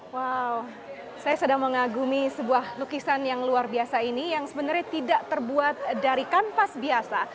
wow saya sedang mengagumi sebuah lukisan yang luar biasa ini yang sebenarnya tidak terbuat dari kanvas biasa